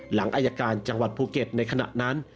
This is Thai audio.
หลังอายการจังหวัดภูเก็ตในขณะนั้น